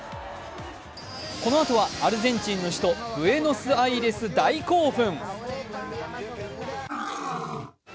このあとは、アルゼンチンの首都ブエノスアイレス大興奮。